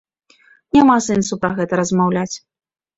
Няма сэнсу пра гэта размаўляць.